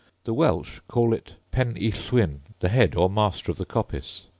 The Welch call it pen y llwyn, the head or master of the coppice.